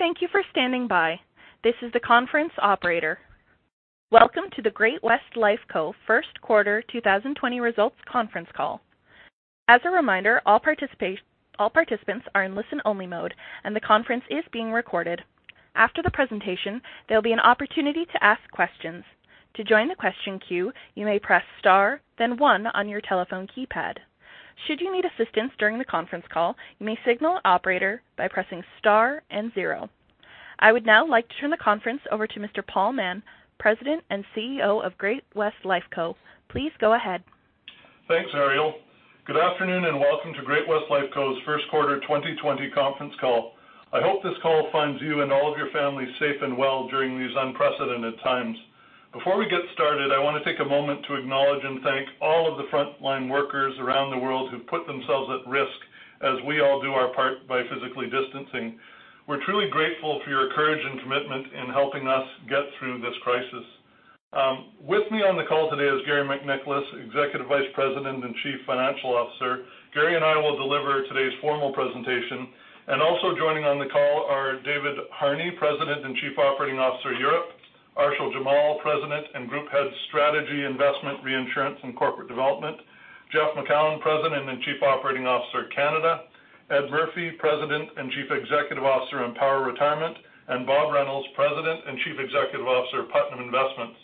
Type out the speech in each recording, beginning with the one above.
Thank you for standing by. This is the conference operator. Welcome to the Great-West Lifeco first quarter 2020 results conference call. As a reminder, all participants are in listen-only mode, and the conference is being recorded. After the presentation, there will be an opportunity to ask questions. To join the question queue, you may press star then one on your telephone keypad. Should you need assistance during the conference call, you may signal operator by pressing star and zero. I would now like to turn the conference over to Mr. Paul Mahon, President and Chief Executive Officer of Great-West Lifeco. Please go ahead. Thanks, Ariel. Good afternoon, and welcome to Great-West Lifeco's first quarter 2020 conference call. I hope this call finds you and all of your families safe and well during these unprecedented times. Before we get started, I want to take a moment to acknowledge and thank all of the frontline workers around the world who've put themselves at risk as we all do our part by physically distancing. We're truly grateful for your courage and commitment in helping us get through this crisis. With me on the call today is Garry MacNicholas, Executive Vice President and Chief Financial Officer. Garry and I will deliver today's formal presentation, and also joining on the call are David Harney, President and Chief Operating Officer, Europe; Arshil Jamal, President and Group Head, Strategy, Investments, Reinsurance, and Corporate Development; Jeff Macoun, President and Chief Operating Officer, Canada; Ed Murphy, President and Chief Executive Officer, Empower Retirement; and Bob Reynolds, President and Chief Executive Officer, Putnam Investments.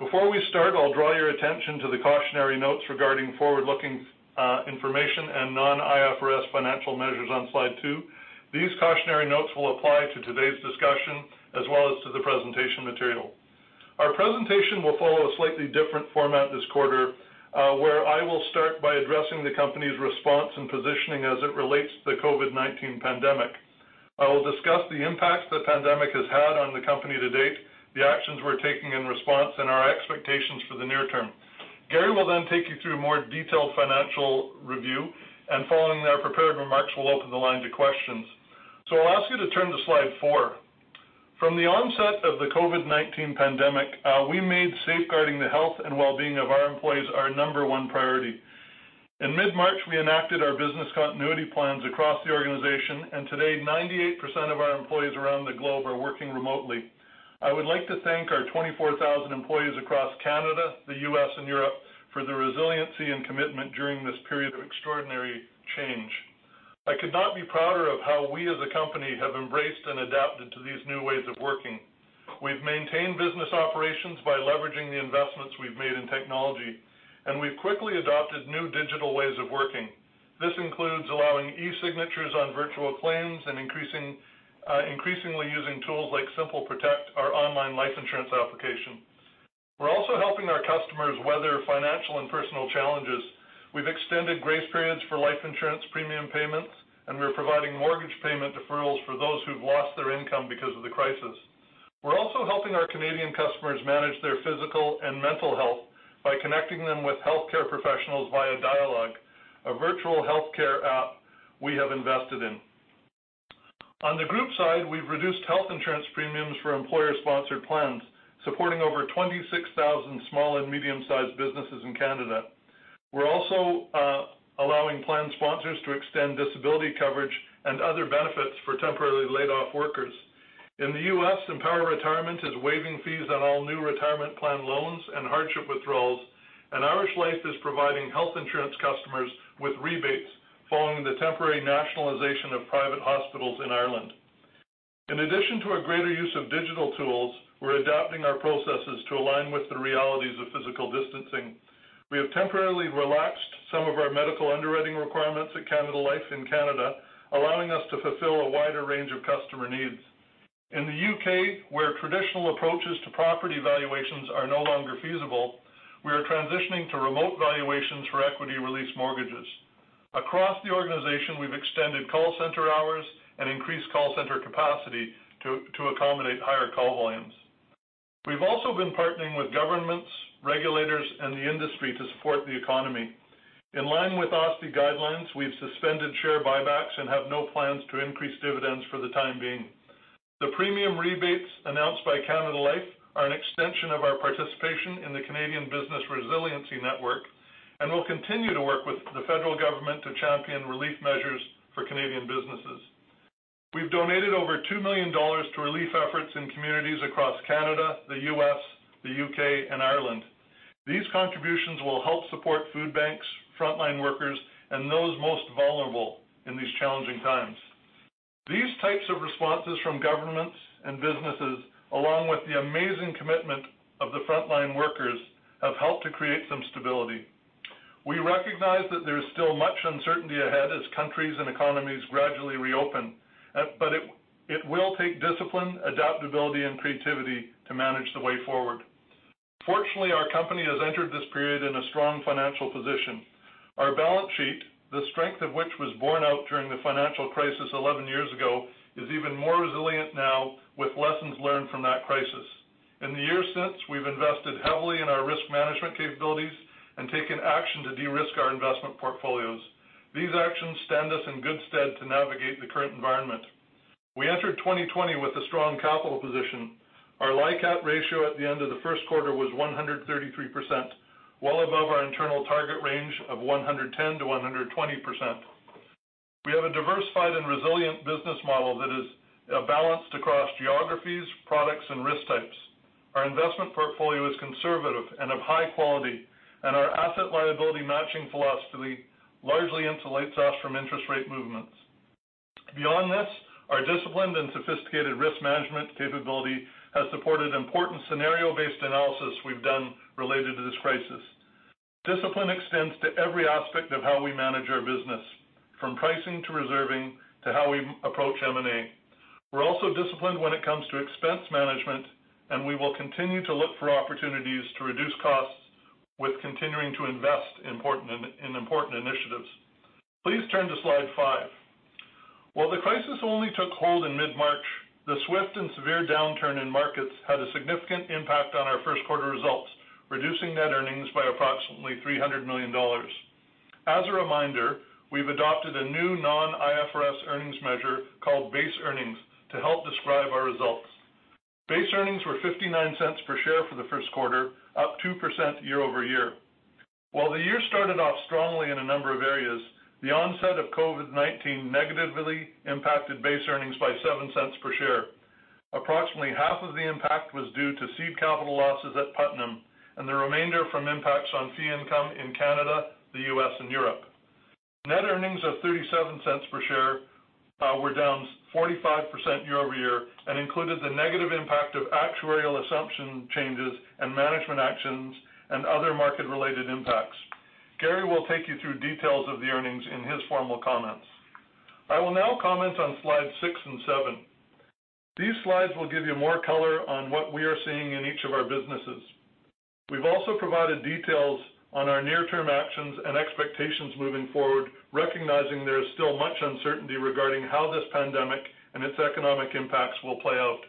Before we start, I'll draw your attention to the cautionary notes regarding forward-looking information and non-IFRS financial measures on slide two. These cautionary notes will apply to today's discussion as well as to the presentation material. Our presentation will follow a slightly different format this quarter, where I will start by addressing the company's response and positioning as it relates to the COVID-19 pandemic. I will discuss the impact the pandemic has had on the company to date, the actions we're taking in response, and our expectations for the near term. Garry will then take you through a more detailed financial review. Following their prepared remarks, we'll open the line to questions. I'll ask you to turn to slide four. From the onset of the COVID-19 pandemic, we made safeguarding the health and well-being of our employees our number one priority. In mid-March, we enacted our business continuity plans across the organization. Today, 98% of our employees around the globe are working remotely. I would like to thank our 24,000 employees across Canada, the U.S., and Europe for their resiliency and commitment during this period of extraordinary change. I could not be prouder of how we as a company have embraced and adapted to these new ways of working. We've maintained business operations by leveraging the investments we've made in technology, and we've quickly adopted new digital ways of working. This includes allowing e-signatures on virtual claims and increasingly using tools like SimpleProtect, our online life insurance application. We're also helping our customers weather financial and personal challenges. We've extended grace periods for life insurance premium payments, and we're providing mortgage payment deferrals for those who've lost their income because of the crisis. We're also helping our Canadian customers manage their physical and mental health by connecting them with healthcare professionals via Dialogue, a virtual healthcare app we have invested in. On the group side, we've reduced health insurance premiums for employer-sponsored plans, supporting over 26,000 small and medium-sized businesses in Canada. We're also allowing plan sponsors to extend disability coverage and other benefits for temporarily laid-off workers. In the U.S., Empower Retirement is waiving fees on all new retirement plan loans and hardship withdrawals, and Irish Life is providing health insurance customers with rebates following the temporary nationalization of private hospitals in Ireland. In addition to a greater use of digital tools, we're adapting our processes to align with the realities of physical distancing. We have temporarily relaxed some of our medical underwriting requirements at Canada Life in Canada, allowing us to fulfill a wider range of customer needs. In the U.K., where traditional approaches to property valuations are no longer feasible, we are transitioning to remote valuations for equity release mortgages. Across the organization, we've extended call center hours and increased call center capacity to accommodate higher call volumes. We've also been partnering with governments, regulators, and the industry to support the economy. In line with OSFI guidelines, we've suspended share buybacks and have no plans to increase dividends for the time being. The premium rebates announced by Canada Life are an extension of our participation in the Canadian Business Resilience Network and will continue to work with the federal government to champion relief measures for Canadian businesses. We've donated over 2 million dollars to relief efforts in communities across Canada, the U.S., the U.K., and Ireland. These contributions will help support food banks, frontline workers, and those most vulnerable in these challenging times. These types of responses from governments and businesses, along with the amazing commitment of the frontline workers, have helped to create some stability. We recognize that there is still much uncertainty ahead as countries and economies gradually reopen, but it will take discipline, adaptability, and creativity to manage the way forward. Fortunately, our company has entered this period in a strong financial position. Our balance sheet, the strength of which was borne out during the financial crisis 11 years ago, is even more resilient now with lessons learned from that crisis. In the years since, we've invested heavily in our risk management capabilities and taken action to de-risk our investment portfolios. These actions stand us in good stead to navigate the current environment. We entered 2020 with a strong capital position. Our LICAT ratio at the end of the first quarter was 133%, well above our internal target range of 110%-120%. We have a diversified and resilient business model that is balanced across geographies, products, and risk types. Our investment portfolio is conservative and of high quality, and our asset liability matching philosophy largely insulates us from interest rate movements. Beyond this, our disciplined and sophisticated risk management capability has supported important scenario-based analysis we've done related to this crisis. Discipline extends to every aspect of how we manage our business, from pricing to reserving to how we approach M&A. We're also disciplined when it comes to expense management, and we will continue to look for opportunities to reduce costs with continuing to invest in important initiatives. Please turn to slide five. While the crisis only took hold in mid-March, the swift and severe downturn in markets had a significant impact on our first quarter results, reducing net earnings by approximately 300 million dollars. As a reminder, we've adopted a new non-IFRS earnings measure called base earnings to help describe our results. Base earnings were 0.59 per share for the first quarter, up 2% year-over-year. While the year started off strongly in a number of areas, the onset of COVID-19 negatively impacted base earnings by 0.07 per share. Approximately half of the impact was due to seed capital losses at Putnam, and the remainder from impacts on fee income in Canada, the US, and Europe. Net earnings of 0.37 per share were down 45% year-over-year and included the negative impact of actuarial assumption changes and management actions and other market-related impacts. Garry will take you through details of the earnings in his formal comments. I will now comment on slides six and seven. These slides will give you more color on what we are seeing in each of our businesses. We've also provided details on our near-term actions and expectations moving forward, recognizing there is still much uncertainty regarding how this pandemic and its economic impacts will play out.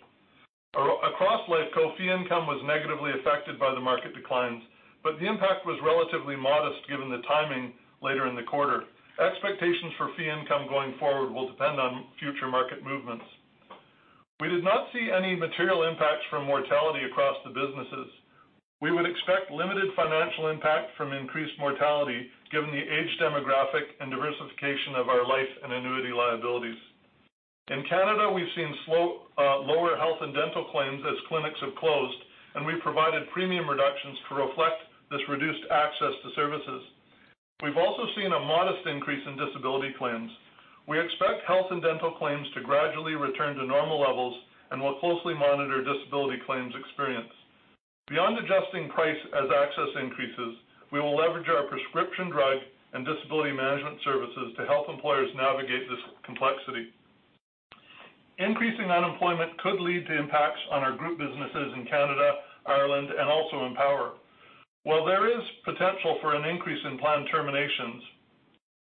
Across Lifeco, fee income was negatively affected by the market declines, but the impact was relatively modest given the timing later in the quarter. Expectations for fee income going forward will depend on future market movements. We did not see any material impacts from mortality across the businesses. We would expect limited financial impact from increased mortality given the age demographic and diversification of our life and annuity liabilities. In Canada, we've seen lower health and dental claims as clinics have closed, and we provided premium reductions to reflect this reduced access to services. We've also seen a modest increase in disability claims. We expect health and dental claims to gradually return to normal levels and will closely monitor disability claims experience. Beyond adjusting price as access increases, we will leverage our prescription drug and disability management services to help employers navigate this complexity. Increasing unemployment could lead to impacts on our group businesses in Canada, Ireland, and also Empower. While there is potential for an increase in plan terminations,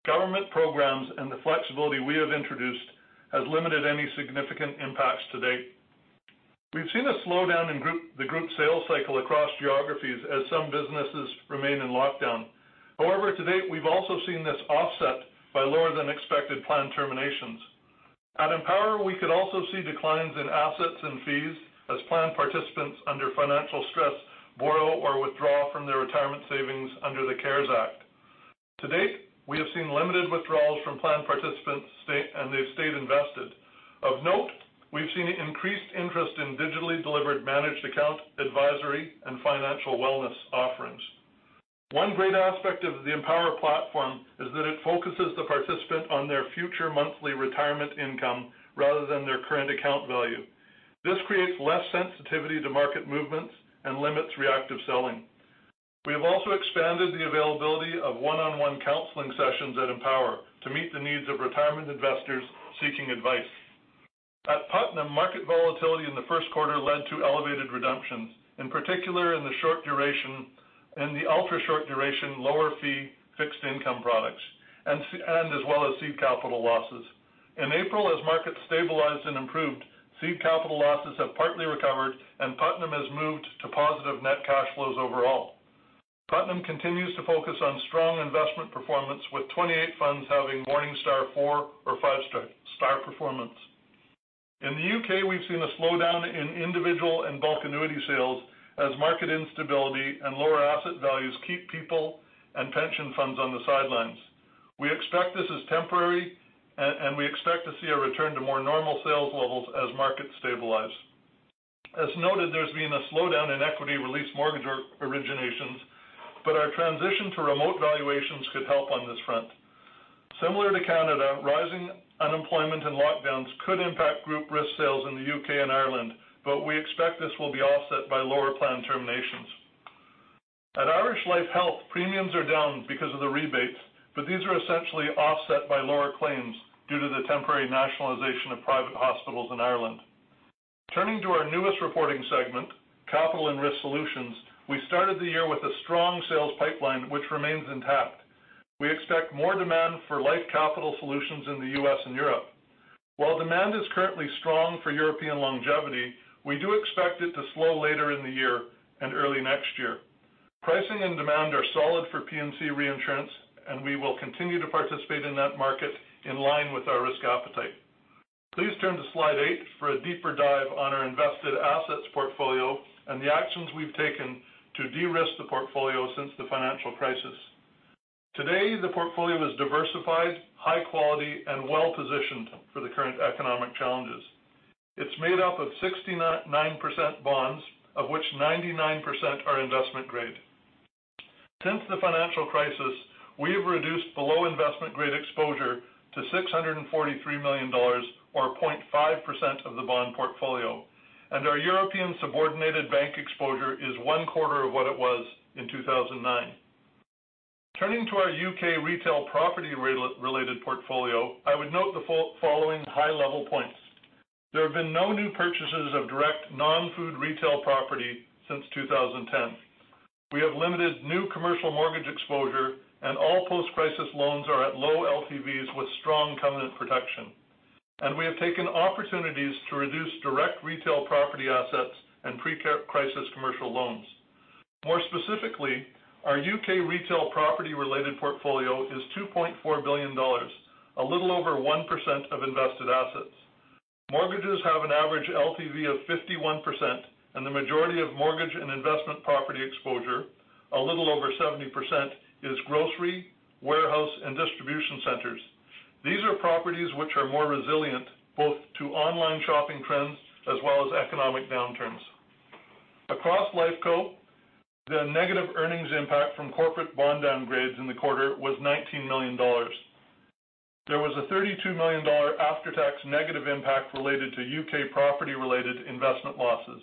government programs and the flexibility we have introduced has limited any significant impacts to date. We've seen a slowdown in the group sales cycle across geographies as some businesses remain in lockdown. However, to date, we've also seen this offset by lower than expected plan terminations. At Empower, we could also see declines in assets and fees as plan participants under financial stress borrow or withdraw from their retirement savings under the CARES Act. To date, we have seen limited withdrawals from plan participants and they've stayed invested. Of note, we've seen increased interest in digitally delivered managed account advisory and financial wellness offerings. One great aspect of the Empower platform is that it focuses the participant on their future monthly retirement income rather than their current account value. This creates less sensitivity to market movements and limits reactive selling. We have also expanded the availability of one-on-one counseling sessions at Empower to meet the needs of retirement investors seeking advice. At Putnam, market volatility in the first quarter led to elevated redemptions, in particular in the short duration and the Ultra Short Duration, lower fee fixed income products, and as well as seed capital losses. In April, as markets stabilized and improved, seed capital losses have partly recovered, and Putnam has moved to positive net cash flows overall. Putnam continues to focus on strong investment performance with 28 funds having Morningstar four or five-star performance. In the U.K., we've seen a slowdown in individual and bulk annuity sales as market instability and lower asset values keep people and pension funds on the sidelines. We expect this is temporary, and we expect to see a return to more normal sales levels as markets stabilize. As noted, there's been a slowdown in equity release mortgage originations, but our transition to remote valuations could help on this front. Similar to Canada, rising unemployment and lockdowns could impact group risk sales in the U.K. and Ireland, but we expect this will be offset by lower plan terminations. At Irish Life Health, premiums are down because of the rebates, but these are essentially offset by lower claims due to the temporary nationalization of private hospitals in Ireland. Turning to our newest reporting segment, Capital and Risk Solutions, we started the year with a strong sales pipeline, which remains intact. We expect more demand for life capital solutions in the U.S. and Europe. While demand is currently strong for European longevity, we do expect it to slow later in the year and early next year. Pricing and demand are solid for P&C reinsurance. We will continue to participate in that market in line with our risk appetite. Please turn to Slide eight for a deeper dive on our invested assets portfolio and the actions we've taken to de-risk the portfolio since the financial crisis. Today, the portfolio is diversified, high quality, and well-positioned for the current economic challenges. It's made up of 69% bonds, of which 99% are investment grade. Since the financial crisis, we have reduced below investment grade exposure to 643 million dollars, or 0.5% of the bond portfolio. Our European subordinated bank exposure is one quarter of what it was in 2009. Turning to our U.K. retail property related portfolio, I would note the following high-level points. There have been no new purchases of direct non-food retail property since 2010. We have limited new commercial mortgage exposure and all post-crisis loans are at low LTVs with strong covenant protection. We have taken opportunities to reduce direct retail property assets and pre-crisis commercial loans. More specifically, our U.K. retail property related portfolio is 2.4 billion dollars, a little over 1% of invested assets. Mortgages have an average LTV of 51%, and the majority of mortgage and investment property exposure, a little over 70%, is grocery, warehouse, and distribution centers. These are properties which are more resilient, both to online shopping trends as well as economic downturns. Across Lifeco, the negative earnings impact from corporate bond downgrades in the quarter was 19 million dollars. There was a 32 million dollar after-tax negative impact related to U.K. property related investment losses.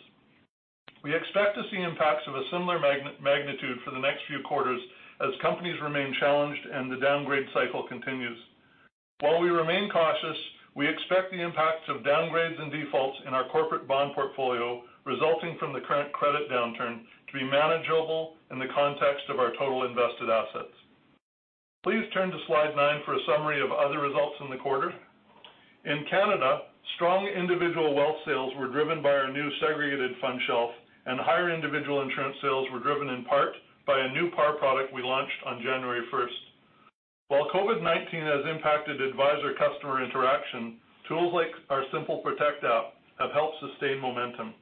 We expect to see impacts of a similar magnitude for the next few quarters as companies remain challenged and the downgrade cycle continues. While we remain cautious, we expect the impacts of downgrades and defaults in our corporate bond portfolio resulting from the current credit downturn to be manageable in the context of our total invested assets. Please turn to Slide nine for a summary of other results in the quarter. In Canada, strong individual wealth sales were driven by our new segregated fund shelf, and higher individual insurance sales were driven in part by a new par product we launched on January 1st. While COVID-19 has impacted advisor-customer interaction, tools like our SimpleProtect app have helped sustain momentum.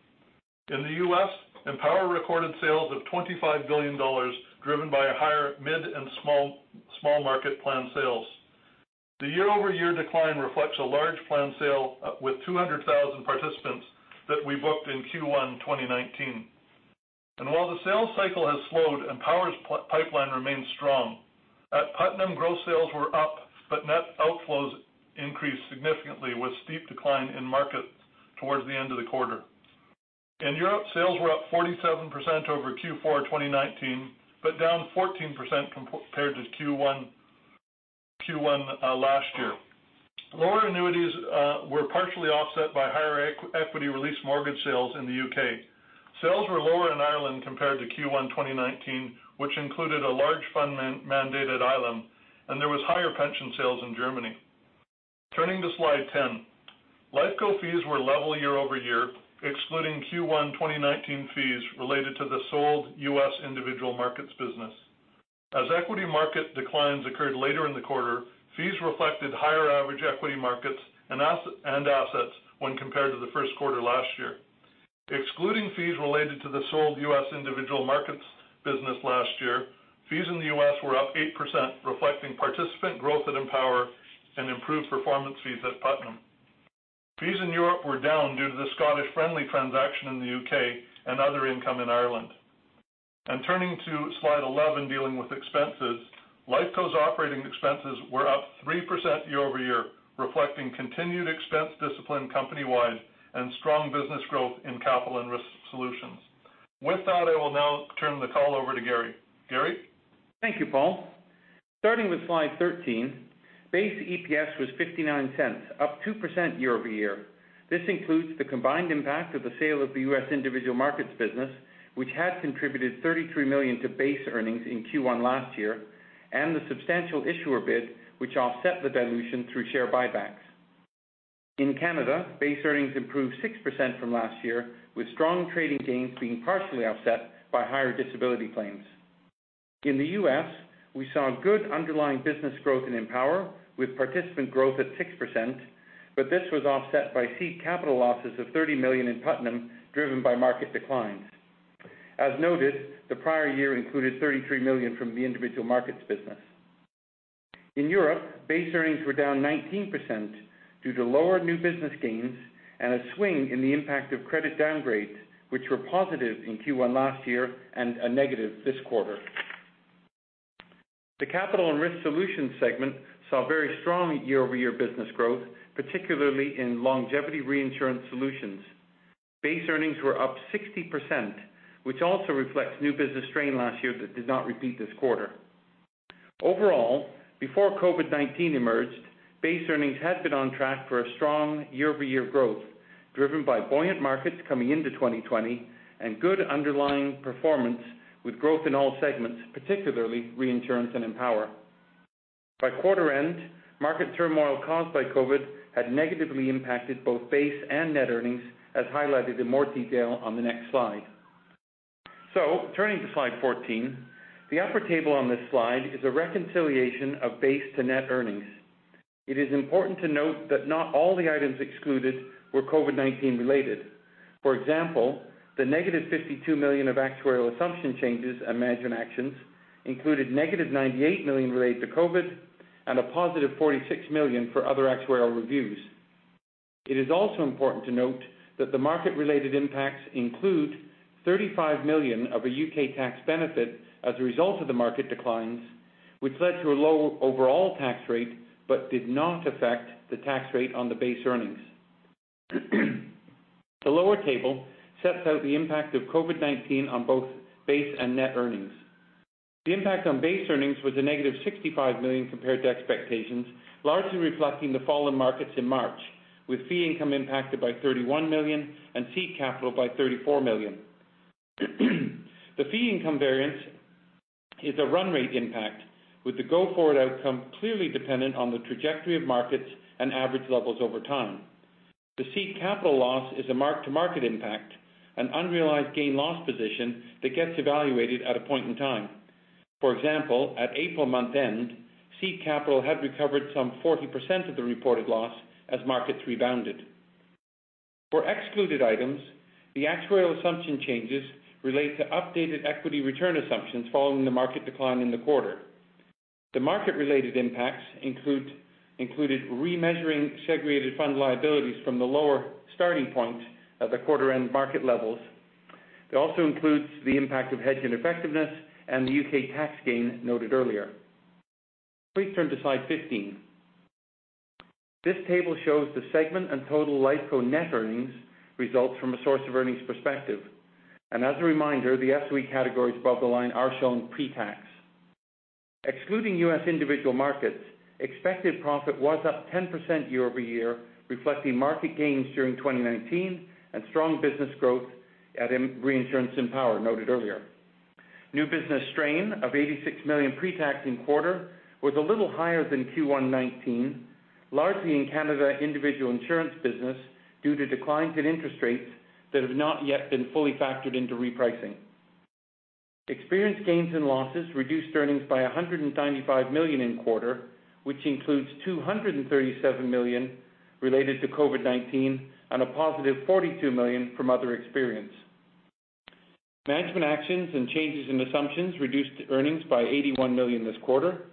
In the U.S., Empower recorded sales of 25 billion dollars, driven by higher mid and small market plan sales. The year-over-year decline reflects a large plan sale with 200,000 participants that we booked in Q1 2019. While the sales cycle has slowed, Empower's pipeline remains strong. At Putnam, gross sales were up, net outflows increased significantly with steep decline in market towards the end of the quarter. In Europe, sales were up 47% over Q4 2019, down 14% compared to Q1 last year. Lower annuities were partially offset by higher equity release mortgage sales in the U.K. Sales were lower in Ireland compared to Q1 2019, which included a large fund mandated ILIM, there was higher pension sales in Germany. Turning to Slide 10. Lifeco fees were level year-over-year, excluding Q1 2019 fees related to the sold U.S. Individual Markets business. As equity market declines occurred later in the quarter, fees reflected higher average equity markets and assets when compared to the first quarter last year. Excluding fees related to the sold U.S. Individual Markets business last year, fees in the U.S. were up 8%, reflecting participant growth at Empower and improved performance fees at Putnam. Fees in Europe were down due to the Scottish Friendly transaction in the U.K. and other income in Ireland. Turning to Slide 11, dealing with expenses. Lifeco's operating expenses were up 3% year-over-year, reflecting continued expense discipline company wide and strong business growth in Capital and Risk Solutions. With that, I will now turn the call over to Garry. Garry? Thank you, Paul. Starting with Slide 13, base EPS was 0.59, up 2% year-over-year. This includes the combined impact of the sale of the U.S. Individual Markets business, which had contributed 33 million to base earnings in Q1 last year, and the substantial issuer bid, which offset the dilution through share buybacks. In Canada, base earnings improved 6% from last year, with strong trading gains being partially offset by higher disability claims. In the U.S., we saw good underlying business growth in Empower, with participant growth at 6%, but this was offset by seed capital losses of 30 million in Putnam, driven by market declines. As noted, the prior year included 33 million from the Individual Markets business. In Europe, base earnings were down 19% due to lower new business gains and a swing in the impact of credit downgrades, which were positive in Q1 last year and a negative this quarter. The Capital and Risk Solutions segment saw very strong year-over-year business growth, particularly in longevity reinsurance solutions. Base earnings were up 60%, which also reflects new business strain last year that did not repeat this quarter. Overall, before COVID-19 emerged, base earnings had been on track for a strong year-over-year growth, driven by buoyant markets coming into 2020 and good underlying performance with growth in all segments, particularly reinsurance and Empower. By quarter end, market turmoil caused by COVID had negatively impacted both base and net earnings, as highlighted in more detail on the next slide. Turning to slide 14, the upper table on this slide is a reconciliation of base to net earnings. It is important to note that not all the items excluded were COVID-19 related. For example, the negative 52 million of actuarial assumption changes and management actions included negative 98 million related to COVID and a positive 46 million for other actuarial reviews. It is also important to note that the market-related impacts include 35 million of a U.K. tax benefit as a result of the market declines, which led to a low overall tax rate but did not affect the tax rate on the base earnings. The lower table sets out the impact of COVID-19 on both base and net earnings. The impact on base earnings was a negative 65 million compared to expectations, largely reflecting the fall in markets in March with fee income impacted by 31 million and seed capital by 34 million. The fee income variance is a run rate impact, with the go-forward outcome clearly dependent on the trajectory of markets and average levels over time. The seed capital loss is a mark-to-market impact, an unrealized gain loss position that gets evaluated at a point in time. For example, at April month-end, seed capital had recovered some 40% of the reported loss as markets rebounded. For excluded items, the actuarial assumption changes relate to updated equity return assumptions following the market decline in the quarter. The market-related impacts included remeasuring segregated fund liabilities from the lower starting point at the quarter end market levels. It also includes the impact of hedge ineffectiveness and the U.K. tax gain noted earlier. Please turn to slide 15. This table shows the segment and total Lifeco net earnings results from a source of earnings perspective. As a reminder, the SOE categories above the line are shown pre-tax. Excluding US Individual Markets, expected profit was up 10% year-over-year, reflecting market gains during 2019 and strong business growth at Reinsurance Empower noted earlier. New business strain of 86 million pre-tax in quarter was a little higher than Q1 2019, largely in Canada individual insurance business due to declines in interest rates that have not yet been fully factored into repricing. Experience gains and losses reduced earnings by 195 million in quarter, which includes 237 million related to COVID-19 and a positive 42 million from other experience. Management actions and changes in assumptions reduced earnings by 81 million this quarter.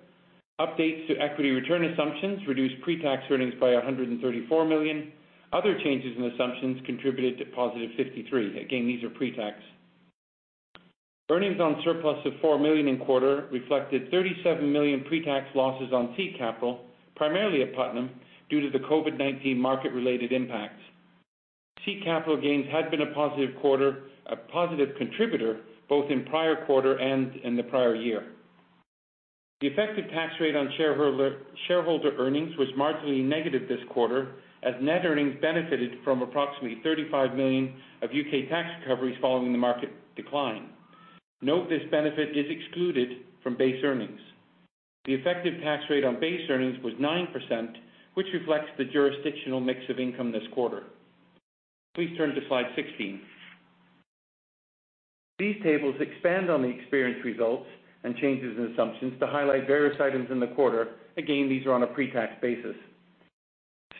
Updates to equity return assumptions reduced pre-tax earnings by 134 million. Other changes in assumptions contributed to positive 53 million. Again, these are pre-tax. Earnings on surplus of 4 million in quarter reflected 37 million pre-tax losses on seed capital, primarily at Putnam, due to the COVID-19 market-related impacts. Seed capital gains had been a positive contributor both in prior quarter and in the prior year. The effective tax rate on shareholder earnings was marginally negative this quarter, as net earnings benefited from approximately 35 million of U.K. tax recoveries following the market decline. Note this benefit is excluded from base earnings. The effective tax rate on base earnings was 9%, which reflects the jurisdictional mix of income this quarter. Please turn to slide 16. These tables expand on the experience results and changes in assumptions to highlight various items in the quarter. Again, these are on a pre-tax basis.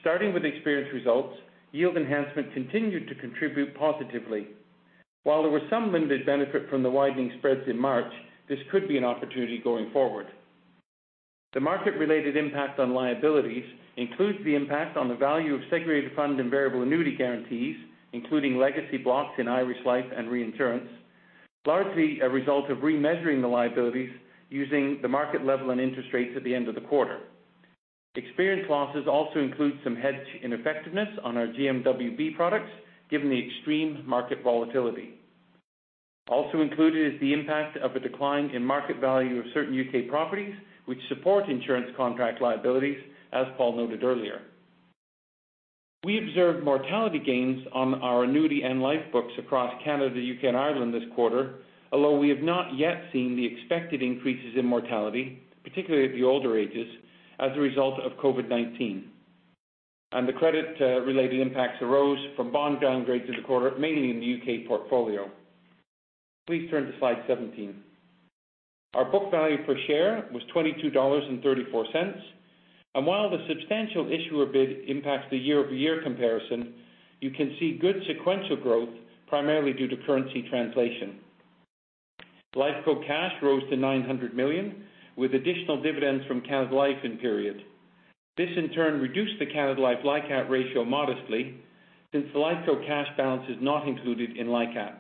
Starting with experience results, yield enhancement continued to contribute positively. While there was some limited benefit from the widening spreads in March, this could be an opportunity going forward. The market-related impact on liabilities includes the impact on the value of segregated fund and variable annuity guarantees, including legacy blocks in Irish Life and Reinsurance, largely a result of remeasuring the liabilities using the market level and interest rates at the end of the quarter. Experience losses also include some hedge ineffectiveness on our GMWB products, given the extreme market volatility. Also included is the impact of a decline in market value of certain U.K. properties, which support insurance contract liabilities, as Paul noted earlier. We observed mortality gains on our annuity and life books across Canada, U.K., and Ireland this quarter, although we have not yet seen the expected increases in mortality, particularly at the older ages, as a result of COVID-19. The credit-related impacts arose from bond downgrades in the quarter, mainly in the U.K. portfolio. Please turn to slide 17. Our book value per share was 22.34 dollars. While the substantial issuer bid impacts the year-over-year comparison, you can see good sequential growth, primarily due to currency translation. Lifeco cash rose to 900 million with additional dividends from Canada Life in period. This in turn reduced the Canada Life LICAT ratio modestly since the Lifeco cash balance is not included in LICAT.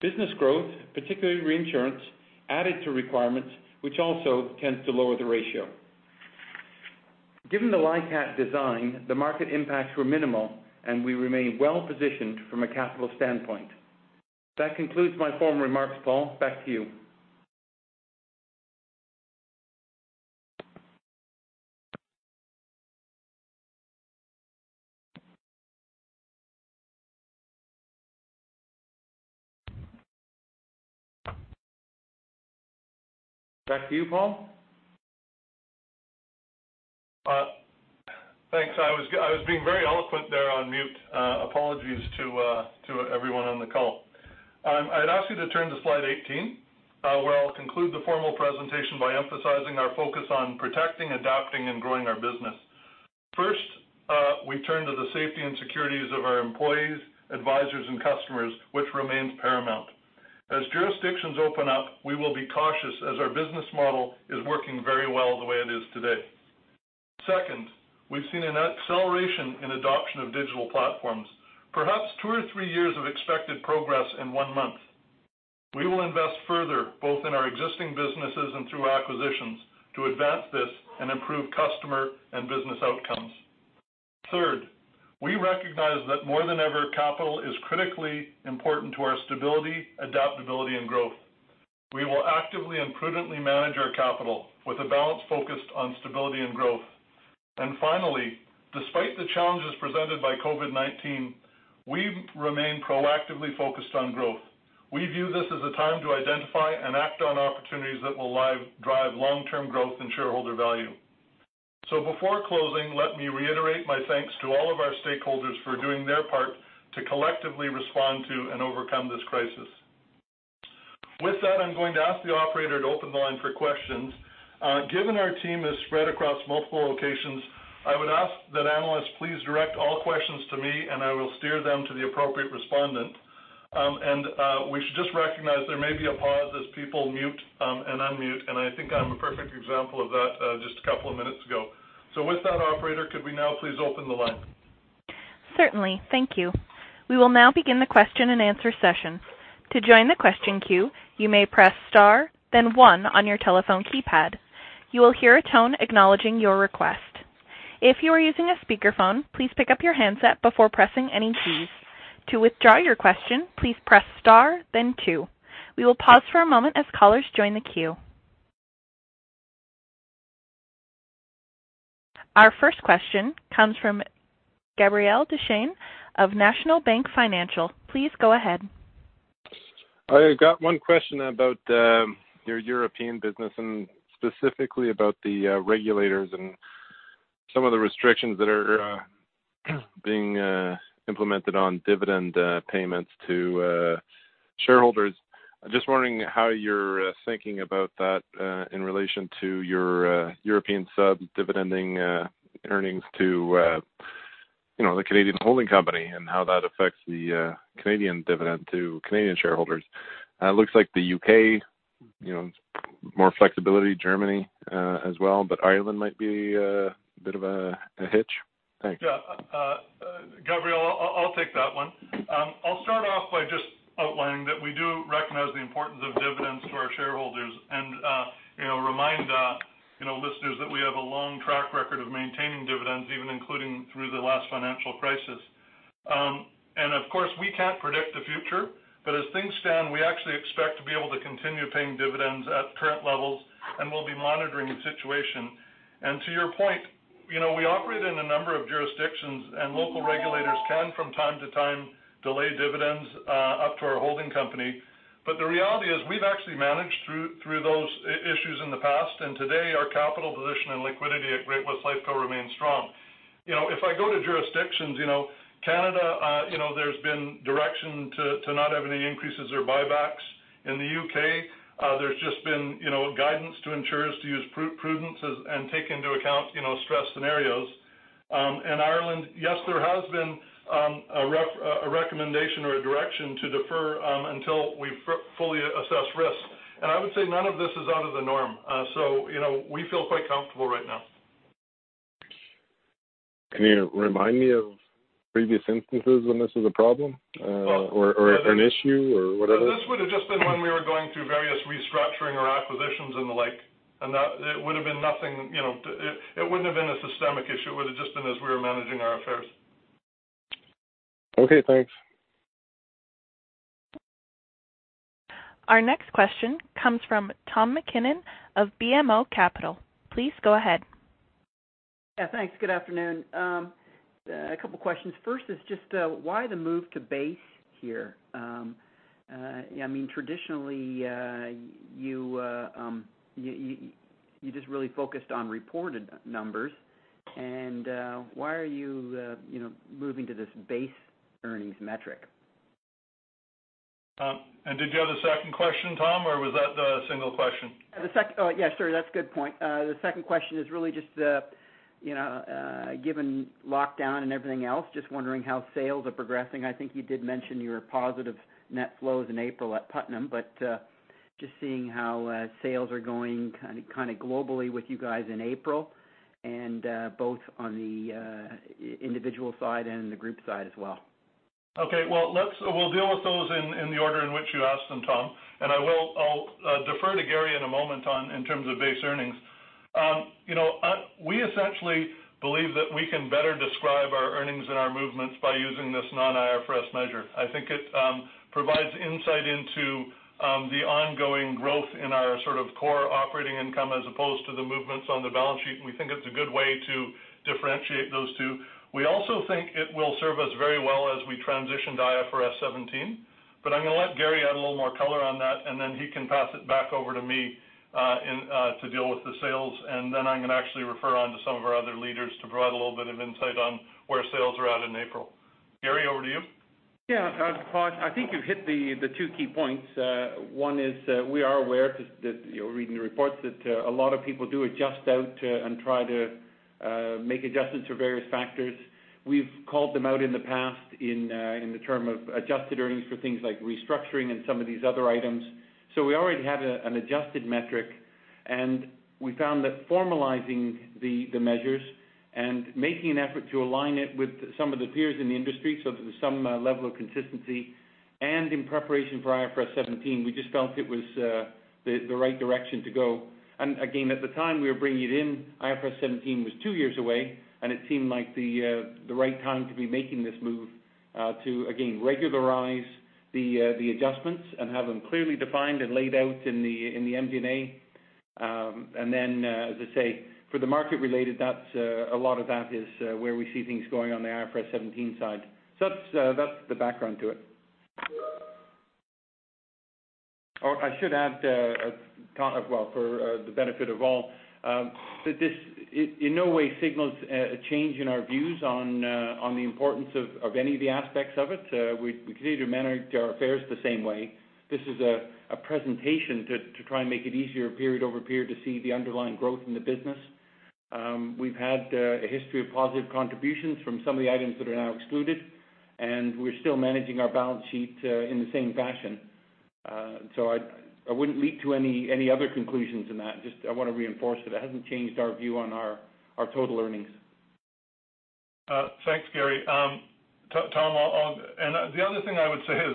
Business growth, particularly Reinsurance, added to requirements, which also tends to lower the ratio. Given the LICAT design, the market impacts were minimal, and we remain well-positioned from a capital standpoint. That concludes my formal remarks, Paul. Back to you. Back to you, Paul. Thanks. I was being very eloquent there on mute. Apologies to everyone on the call. I'd ask you to turn to slide 18, where I'll conclude the formal presentation by emphasizing our focus on protecting, adapting, and growing our business. First, we turn to the safety and securities of our employees, advisors, and customers, which remains paramount. As jurisdictions open up, we will be cautious as our business model is working very well the way it is today. Second, we've seen an acceleration in adoption of digital platforms, perhaps two or three years of expected progress in one month. We will invest further, both in our existing businesses and through acquisitions, to advance this and improve customer and business outcomes. Third, we recognize that more than ever, capital is critically important to our stability, adaptability, and growth. We will actively and prudently manage our capital with a balance focused on stability and growth. Finally, despite the challenges presented by COVID-19, we remain proactively focused on growth. We view this as a time to identify and act on opportunities that will drive long-term growth and shareholder value. Before closing, let me reiterate my thanks to all of our stakeholders for doing their part to collectively respond to and overcome this crisis. With that, I'm going to ask the operator to open the line for questions. Given our team is spread across multiple locations, I would ask that analysts please direct all questions to me, and I will steer them to the appropriate respondent. We should just recognize there may be a pause as people mute and unmute, and I think I'm a perfect example of that just a couple of minutes ago. With that, operator, could we now please open the line? Certainly. Thank you. We will now begin the question and answer session. To join the question queue, you may press star then one on your telephone keypad. You will hear a tone acknowledging your request. If you are using a speakerphone, please pick up your handset before pressing any keys. To withdraw your question, please press star then two. We will pause for a moment as callers join the queue. Our first question comes from Gabriel Dechaine of National Bank Financial. Please go ahead. I got one question about your European business and specifically about the regulators and some of the restrictions that are being implemented on dividend payments to shareholders. I'm just wondering how you're thinking about that in relation to your European sub dividending earnings to the Canadian holding company and how that affects the Canadian dividend to Canadian shareholders. It looks like the U.K., more flexibility, Germany as well, but Ireland might be a bit of a hitch. Thanks. Yeah. Gabriel, I'll take that one. I'll start off by just outlining that we do recognize the importance of dividends to our shareholders and remind listeners that we have a long track record of maintaining dividends, even including through the last financial crisis. Of course, we can't predict the future, but as things stand, we actually expect to be able to continue paying dividends at current levels, and we'll be monitoring the situation. To your point, we operate in a number of jurisdictions and local regulators can, from time to time, delay dividends up to our holding company. The reality is we've actually managed through those issues in the past, and today, our capital position and liquidity at Great-West Lifeco remains strong. If I go to jurisdictions, Canada, there's been direction to not have any increases or buybacks. In the U.K., there's just been guidance to insurers to use prudence and take into account stress scenarios. In Ireland, yes, there has been a recommendation or a direction to defer until we fully assess risk. I would say none of this is out of the norm. We feel quite comfortable right now. Can you remind me of previous instances when this was a problem or an issue or whatever? This would have just been when we were going through various restructuring or acquisitions and the like. It wouldn't have been a systemic issue. It would have just been as we were managing our affairs. Okay, thanks. Our next question comes from Tom MacKinnon of BMO Capital. Please go ahead. Yeah, thanks. Good afternoon. A couple questions. First is just why the move to base here? Traditionally, you just really focused on reported numbers. Why are you moving to this base earnings metric? Did you have a second question, Tom, or was that the single question? Yeah, sure. That's a good point. The second question is really just given lockdown and everything else, just wondering how sales are progressing. I think you did mention your positive net flows in April at Putnam, but just seeing how sales are going kind of globally with you guys in April, and both on the individual side and the group side as well. Okay. We'll deal with those in the order in which you asked them, Tom. I'll defer to Garry in a moment in terms of base earnings. We essentially believe that we can better describe our earnings and our movements by using this non-IFRS measure. I think it provides insight into our sort of core operating income as opposed to the movements on the balance sheet. We think it's a good way to differentiate those two. We also think it will serve us very well as we transition to IFRS 17. I'm going to let Garry add a little more color on that, and then he can pass it back over to me to deal with the sales. Then I'm going to actually refer on to some of our other leaders to provide a little bit of insight on where sales are at in April. Garry, over to you. Paul, I think you've hit the two key points. One is, we are aware that, reading the reports, that a lot of people do adjust out and try to make adjustments for various factors. We've called them out in the past in the term of adjusted earnings for things like restructuring and some of these other items. We already had an adjusted metric, and we found that formalizing the measures and making an effort to align it with some of the peers in the industry so that there's some level of consistency, and in preparation for IFRS 17, we just felt it was the right direction to go. Again, at the time we were bringing it in, IFRS 17 was two years away, and it seemed like the right time to be making this move to, again, regularize the adjustments and have them clearly defined and laid out in the MD&A. Then, as I say, for the market related, a lot of that is where we see things going on the IFRS 17 side. That's the background to it. I should add, well, for the benefit of all, that this in no way signals a change in our views on the importance of any of the aspects of it. We continue to manage our affairs the same way. This is a presentation to try and make it easier period over period to see the underlying growth in the business. We've had a history of positive contributions from some of the items that are now excluded, and we're still managing our balance sheet in the same fashion. I wouldn't leap to any other conclusions in that. Just I want to reinforce that it hasn't changed our view on our total earnings. Thanks, Garry. Tom, the other thing I would say is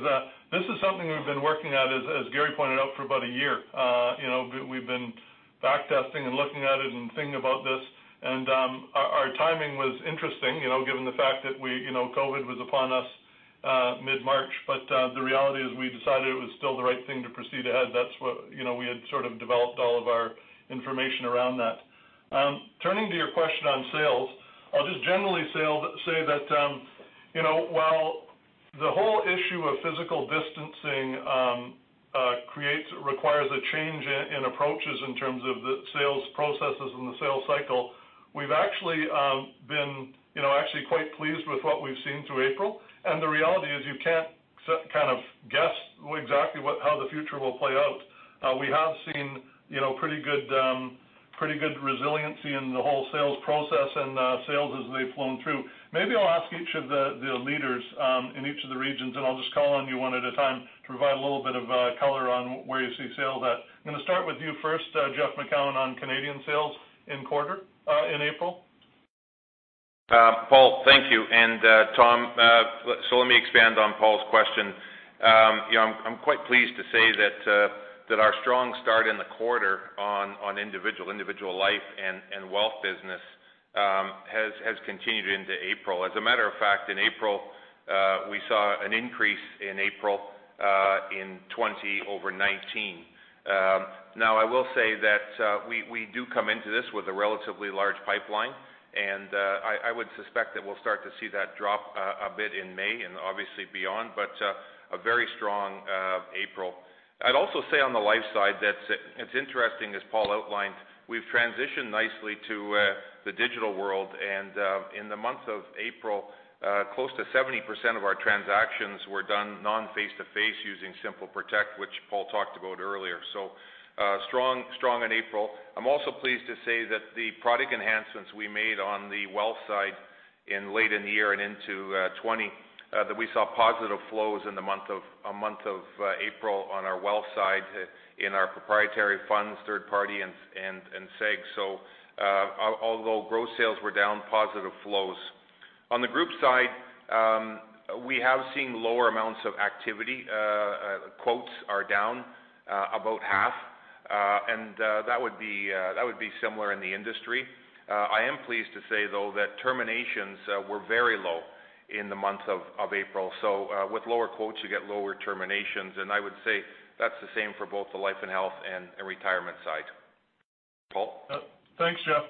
this is something we've been working at, as Garry pointed out, for about a year. We've been back testing and looking at it and thinking about this. Our timing was interesting given the fact that COVID-19 was upon us mid-March. The reality is we decided it was still the right thing to proceed ahead. We had sort of developed all of our information around that. Turning to your question on sales, I'll just generally say that while the whole issue of physical distancing requires a change in approaches in terms of the sales processes and the sales cycle, we've actually been quite pleased with what we've seen through April. The reality is you can't kind of guess exactly how the future will play out. We have seen pretty good resiliency in the whole sales process and sales as they've flown through. Maybe I'll ask each of the leaders in each of the regions, and I'll just call on you one at a time to provide a little bit of color on where you see sales at. I'm going to start with you first, Jeff Macoun, on Canadian sales in quarter in April. Paul Holden, thank you. Tom MacKinnon, so let me expand on Paul Holden's question. I'm quite pleased to say that our strong start in the quarter on individual life and wealth business has continued into April. As a matter of fact, in April, we saw an increase in April in 2020 over 2019. Now, I will say that we do come into this with a relatively large pipeline, and I would suspect that we'll start to see that drop a bit in May and obviously beyond. A very strong April. I'd also say on the life side that it's interesting, as Paul Holden outlined, we've transitioned nicely to the digital world. In the month of April, close to 70% of our transactions were done non-face-to-face using SimpleProtect, which Paul Holden talked about earlier. Strong in April. I'm also pleased to say that the product enhancements we made on the wealth side late in the year and into 2020, that we saw positive flows in the month of April on our wealth side in our proprietary funds, third party, and SEG. Although gross sales were down, positive flows. On the group side, we have seen lower amounts of activity. Quotes are down about half, and that would be similar in the industry. I am pleased to say, though, that terminations were very low in the month of April. With lower quotes, you get lower terminations. I would say that's the same for both the life and health and retirement side. Paul. Thanks, Jeff.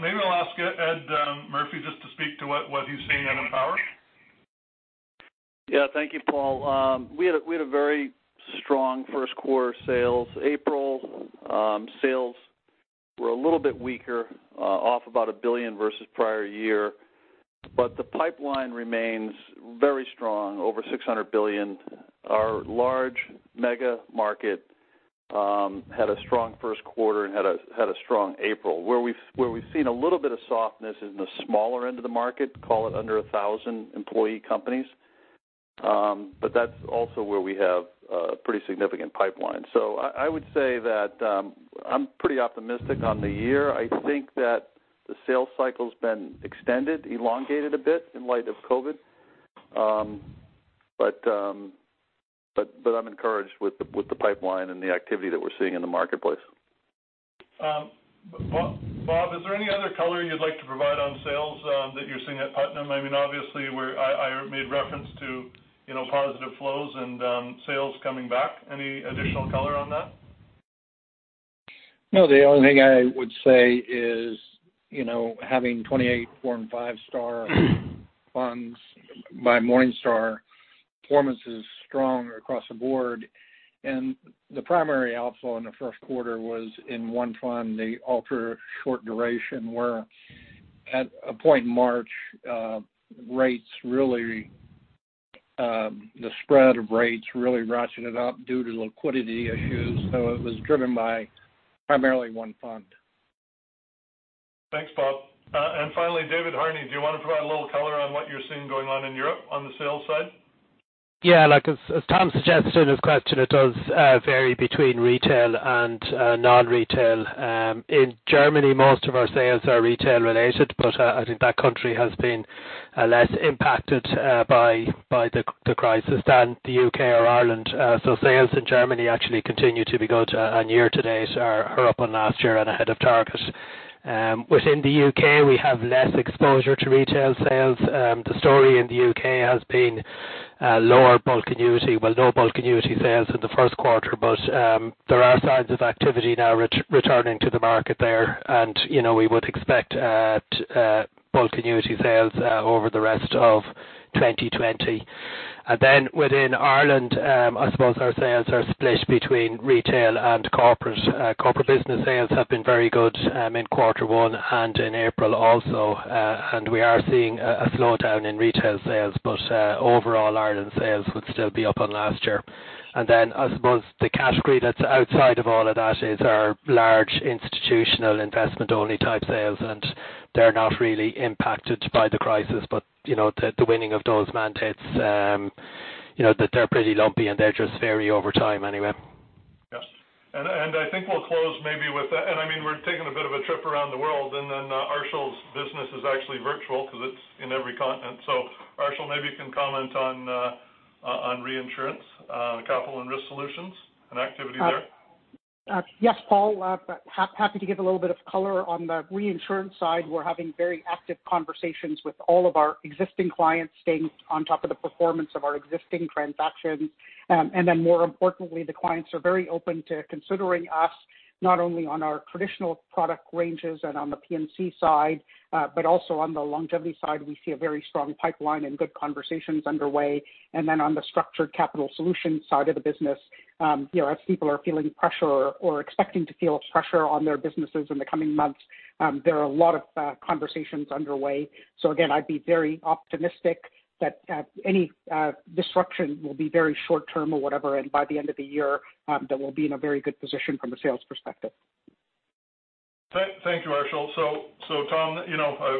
Maybe I'll ask Ed Murphy just to speak to what he's seeing in Empower. Thank you, Paul. We had a very strong first quarter sales. April sales were a little bit weaker, off about 1 billion versus prior year. The pipeline remains very strong, over 600 billion. Our large mega market had a strong first quarter and had a strong April. Where we've seen a little bit of softness is in the smaller end of the market, call it under 1,000 employee companies. That's also where we have a pretty significant pipeline. I would say that I'm pretty optimistic on the year. I think that the sales cycle's been extended, elongated a bit in light of COVID-19. I'm encouraged with the pipeline and the activity that we're seeing in the marketplace. Bob, is there any other color you'd like to provide on sales that you're seeing at Putnam? Obviously, I made reference to positive flows and sales coming back. Any additional color on that? No, the only thing I would say is, having 28 foreign five-star funds by Morningstar, performance is strong across the board. The primary outflow in the first quarter was in one fund, the Ultra Short Duration, where at a point in March, the spread of rates really ratcheted up due to liquidity issues. It was driven by primarily one fund. Thanks, Bob. Finally, David Harney, do you want to provide a little color on what you're seeing going on in Europe on the sales side? Yeah, like as Tom suggested, it does vary between retail and non-retail. In Germany, most of our sales are retail related, I think that country has been less impacted by the crisis than the U.K. or Ireland. Sales in Germany actually continue to be good, year to dates are up on last year and ahead of target. Within the U.K., we have less exposure to retail sales. The story in the U.K. has been lower bulk annuity, well, no bulk annuity sales in the first quarter, there are signs of activity now returning to the market there, we would expect bulk annuity sales over the rest of 2020. Within Ireland, I suppose our sales are split between retail and corporate. Corporate business sales have been very good in quarter one and in April also, and we are seeing a slowdown in retail sales, but overall, Ireland sales would still be up on last year. I suppose the category that's outside of all of that is our large institutional investment-only type sales, and they're not really impacted by the crisis. The winning of those mandates, that they're pretty lumpy, and they just vary over time anyway. Yes. I think we'll close maybe with that. We're taking a bit of a trip around the world, Arshil's business is actually virtual because it's in every continent. Arshil, maybe you can comment on Reinsurance, Capital and Risk Solutions and activity there. Yes, Paul, happy to give a little bit of color on the reinsurance side. We're having very active conversations with all of our existing clients, staying on top of the performance of our existing transactions. More importantly, the clients are very open to considering us not only on our traditional product ranges and on the P&C side, but also on the longevity side. We see a very strong pipeline and good conversations underway. On the structured capital solutions side of the business, as people are feeling pressure or expecting to feel pressure on their businesses in the coming months, there are a lot of conversations underway. Again, I'd be very optimistic that any disruption will be very short-term or whatever, and by the end of the year, that we'll be in a very good position from a sales perspective. Thank you, Arshil. Tom,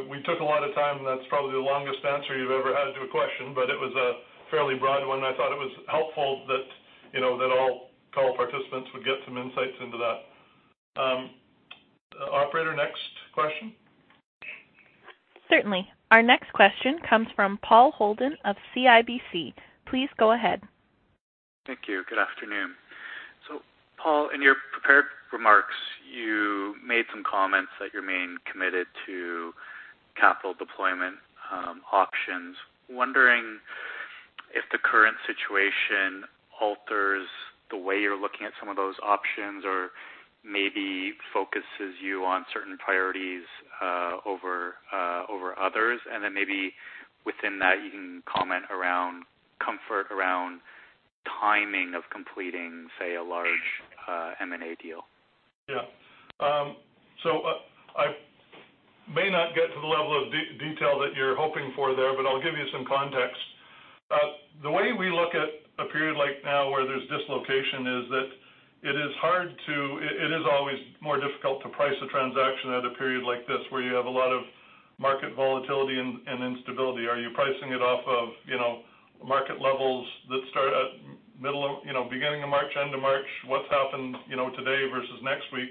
we took a lot of time. That's probably the longest answer you've ever had to a question, but it was a fairly broad one. I thought it was helpful that all call participants would get some insights into that. Operator, next question. Certainly. Our next question comes from Paul Holden of CIBC. Please go ahead. Thank you. Good afternoon. Paul, in your prepared remarks, you made some comments that you're remaining committed to capital deployment options. Wondering if the current situation alters the way you're looking at some of those options or maybe focuses you on certain priorities over others. Maybe within that, you can comment around comfort around timing of completing, say, a large M&A deal. Yeah. I may not get to the level of detail that you're hoping for there, but I'll give you some context. The way we look at a period like now where there's dislocation is that it is always more difficult to price a transaction at a period like this where you have a lot of market volatility and instability. Are you pricing it off of market levels that start at beginning of March, end of March, what's happened today versus next week?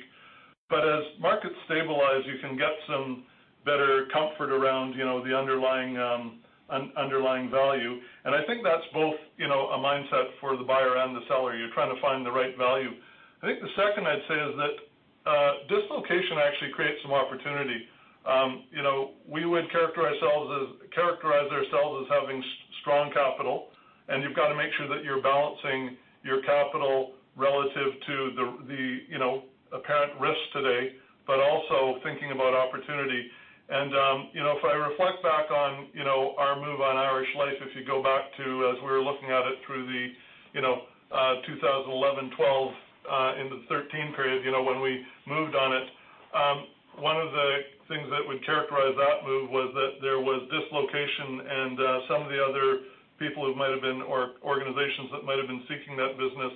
But as markets stabilize, you can get some better comfort around the underlying value. I think that's both a mindset for the buyer and the seller. You're trying to find the right value. I think the second I'd say is that dislocation actually creates some opportunity. We would characterize ourselves as having strong capital, you've got to make sure that you're balancing your capital relative to the apparent risks today, but also thinking about opportunity. If I reflect back on our move on Irish Life, if you go back to as we were looking at it through the 2011, 2012, into 2013 period, when we moved on it, one of the things that would characterize that move was that there was dislocation and some of the other people who might have been, or organizations that might have been seeking that business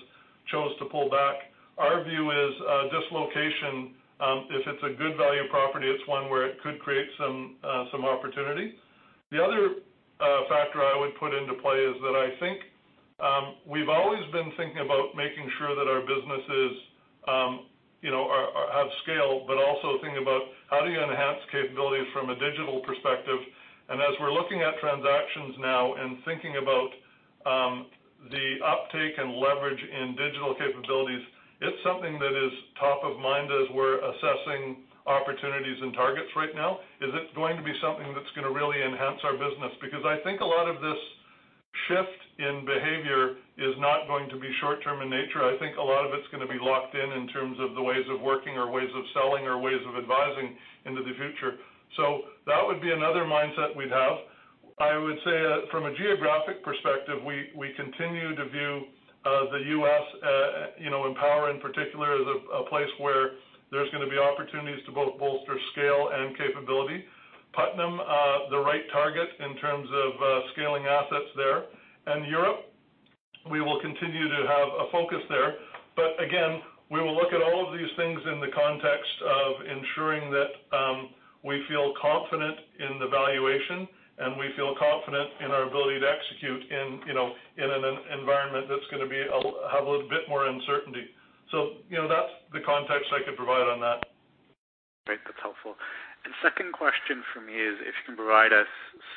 chose to pull back. Our view is dislocation, if it's a good value property, it's one where it could create some opportunity. The other factor I would put into play is that I think we've always been thinking about making sure that our businesses have scale, but also thinking about how do you enhance capabilities from a digital perspective. As we're looking at transactions now and thinking about The uptake and leverage in digital capabilities, it's something that is top of mind as we're assessing opportunities and targets right now. Is this going to be something that's going to really enhance our business? I think a lot of this shift in behavior is not going to be short-term in nature. I think a lot of it's going to be locked in terms of the ways of working or ways of selling or ways of advising into the future. That would be another mindset we'd have. I would say that from a geographic perspective, we continue to view the U.S., Empower in particular, as a place where there's going to be opportunities to both bolster scale and capability. Putnam, the right target in terms of scaling assets there. Europe, we will continue to have a focus there. Again, we will look at all of these things in the context of ensuring that we feel confident in the valuation and we feel confident in our ability to execute in an environment that's going to have a little bit more uncertainty. That's the context I could provide on that. Great. That's helpful. Second question from me is if you can provide us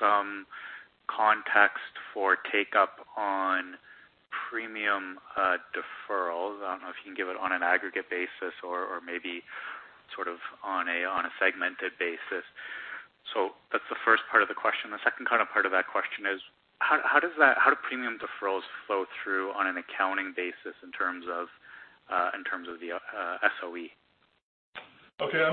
some context for take-up on premium deferrals. I don't know if you can give it on an aggregate basis or maybe sort of on a segmented basis. That's the first part of the question. The second part of that question is how do premium deferrals flow through on an accounting basis in terms of the SOE? Okay. I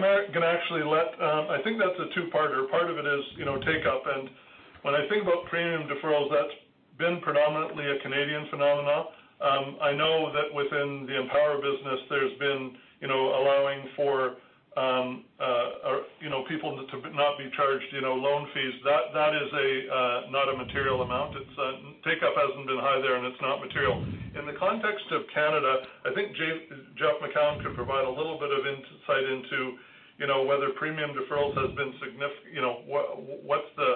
think that's a two-parter. When I think about premium deferrals, that's been predominantly a Canadian phenomenon. I know that within the Empower business, there's been allowing for people to not be charged loan fees. That is not a material amount. Take-up hasn't been high there, and it's not material. In the context of Canada, I think Jeff Macoun could provide a little bit of insight into whether premium deferrals, what's the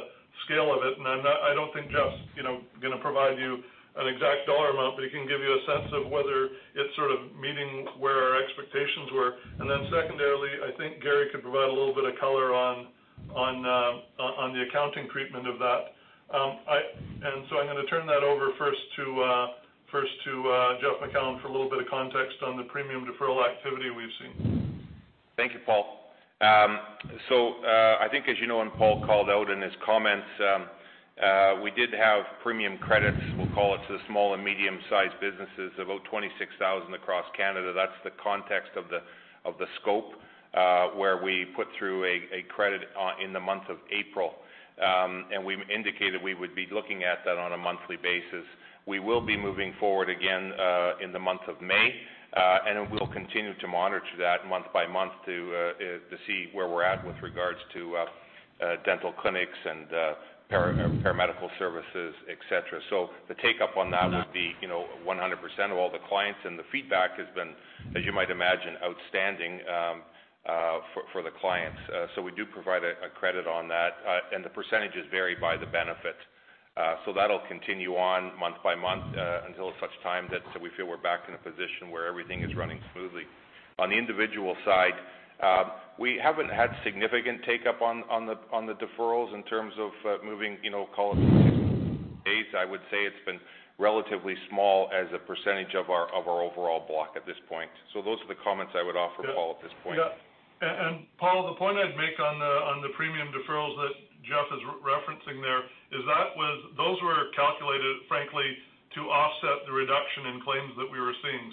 scale of it. I don't think Jeff's going to provide you an exact dollar amount, but he can give you a sense of whether it's sort of meeting where our expectations were. Then secondarily, I think Garry could provide a little bit of color on the accounting treatment of that. I'm going to turn that over first to Jeff Macoun for a little bit of context on the premium deferral activity we've seen. Thank you, Paul. I think as you know, and Paul called out in his comments, we did have premium credits, we'll call it, to the small and medium-sized businesses, about 26,000 across Canada. That's the context of the scope, where we put through a credit in the month of April. We indicated we would be looking at that on a monthly basis. We will be moving forward again in the month of May, and we'll continue to monitor that month by month to see where we're at with regards to dental clinics and paramedical services, et cetera. The take-up on that would be 100% of all the clients, and the feedback has been, as you might imagine, outstanding for the clients. We do provide a credit on that, and the percentages vary by the benefit. That'll continue on month-by-month until such time that we feel we're back in a position where everything is running smoothly. On the individual side, we haven't had significant take-up on the deferrals in terms of moving call it days. I would say it's been relatively small as a percentage of our overall block at this point. Those are the comments I would offer, Paul, at this point. Yeah. Paul, the point I'd make on the premium deferrals that Jeff is referencing there is those were calculated, frankly, to offset the reduction in claims that we were seeing.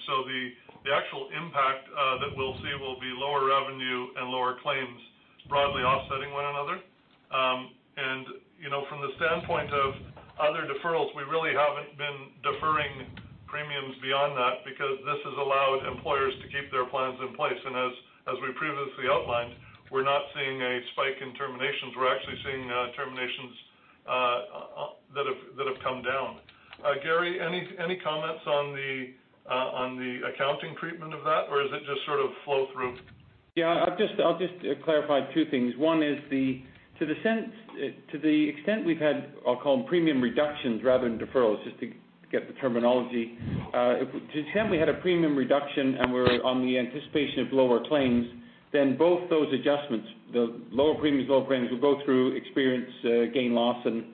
The actual impact that we'll see will be lower revenue and lower claims broadly offsetting one another. From the standpoint of other deferrals, we really haven't been deferring premiums beyond that because this has allowed employers to keep their plans in place. As we previously outlined, we're not seeing a spike in terminations. We're actually seeing terminations that have come down. Garry, any comments on the accounting treatment of that? Or is it just sort of flow through? I'll just clarify two things. One is to the extent we've had, I'll call them premium reductions rather than deferrals, just to get the terminology. To the extent we had a premium reduction and we're on the anticipation of lower claims, then both those adjustments, the lower premiums, lower claims, will go through, experience gain loss, and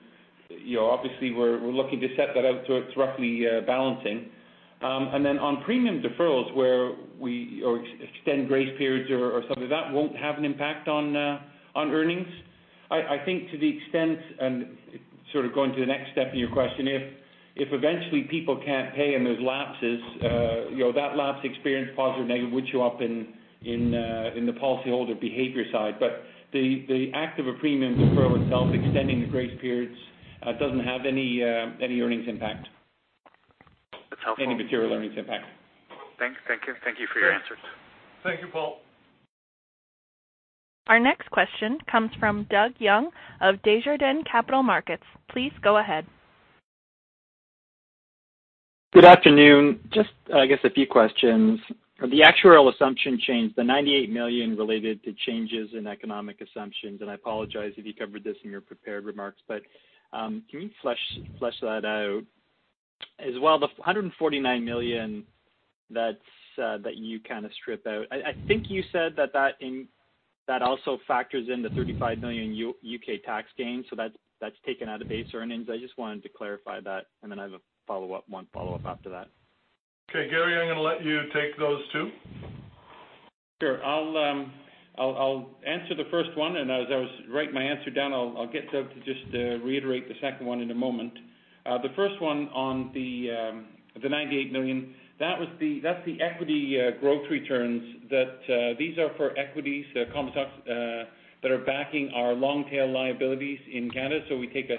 obviously, we're looking to set that out so it's roughly balancing. On premium deferrals where we extend grace periods or something, that won't have an impact on earnings. I think to the extent, and sort of going to the next step in your question, if eventually people can't pay and there's lapses, that lapse experience, positive or negative, would show up in the policyholder behavior side. The act of a premium deferral itself, extending the grace periods, doesn't have any earnings impact. That's helpful. Any material earnings impact. Thank you. Thank you for your answers. Thank you, Paul. Our next question comes from Doug Young of Desjardins Capital Markets. Please go ahead. Good afternoon. Just, I guess a few questions. The actuarial assumption change, the 98 million related to changes in economic assumptions, I apologize if you covered this in your prepared remarks, but can you flesh that out? As well, the 149 million. That you kind of strip out. I think you said that also factors in the 35 million U.K. tax gain, that's taken out of base earnings. I just wanted to clarify that, I have one follow-up after that. Okay, Garry, I'm going to let you take those two. Sure. I'll answer the first one, and as I write my answer down, I'll get Doug to just reiterate the second one in a moment. The first one on the 98 million, that's the equity growth returns. These are for equities, the common stocks, that are backing our long-tail liabilities in Canada. We take a